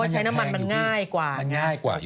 ใช้น้ำมันน้ำง่ายกว่า